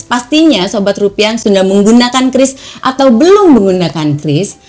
pastinya sobat rupiah sudah menggunakan kris atau belum menggunakan kris